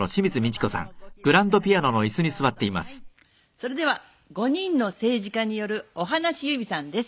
それでは５人の政治家による『おはなしゆびさん』です。